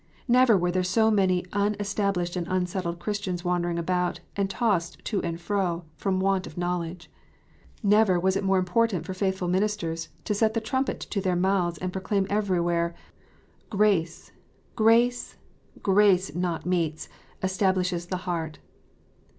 Never were there so many unestahlishecl and unsettled Christians wandering about, and tossed to and fro, from want of knowledge. Never was it so important for faithful ministers to set the trumpet to their mouths and proclaim everywhere, " Grace, grace, grace, not meats, establishes the heart."